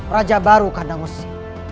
raja baru kandang wesi